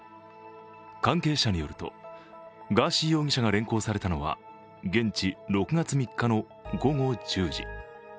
関係者によると、ガーシー容疑者が連行されたのは現地６月３日の午後１０時。